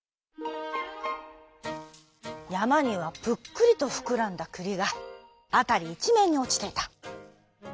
やまにはぷっくりとふくらんだくりがあたりいちめんにおちていた。